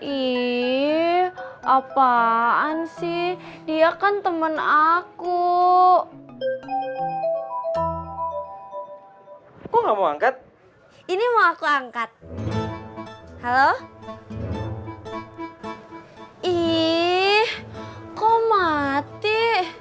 ih apaan sih dia kan temen aku gak mau angkat ini mau aku angkat halo ih kok mati